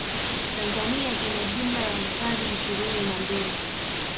tanzania ina jumla ya hifadhi ishirini na mbili